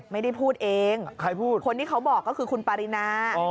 ไม่ได้พูดเองใครพูดคนที่เขาบอกก็คือคุณปารินา